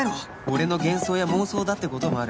俺の幻想や妄想だって事もある